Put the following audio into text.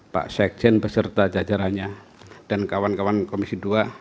pak sekjen beserta jajarannya dan kawan kawan komisi dua